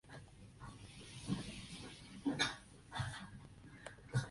Los coches históricos se clasifican según la fecha en que fue homologado.